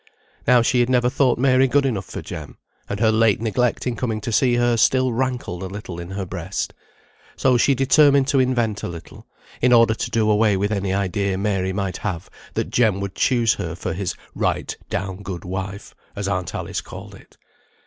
Now she had never thought Mary good enough for Jem, and her late neglect in coming to see her still rankled a little in her breast. So she determined to invent a little, in order to do away with any idea Mary might have that Jem would choose her for "his right down good wife," as aunt Alice called it.